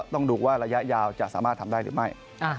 ต้องดูว่าระยะยาวจะสามารถทำได้หรือไม่